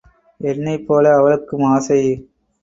என்னைப் போல அவளுக்கும் ஆசை.